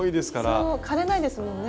枯れないですもんね。